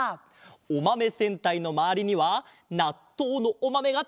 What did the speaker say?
「おまめ戦隊」のまわりにはなっとうのおまめがたくさん！